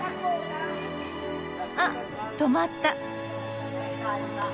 あ止まった。